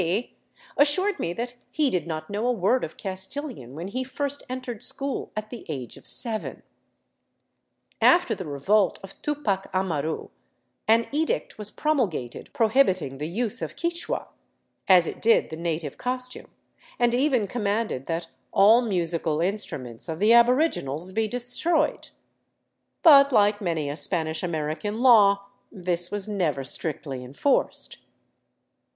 D., assured me that he did not know a word of Castilian when he first entered school at the age of seven. After the revolt of Tupac Amaru an edict was promulgated prohibiting the use of Quichua, as it did the native costume, and even commanded that all musical instruments of the aboriginals be destroyed ; but h'ke many a Spanish American law this was never strictly enforced.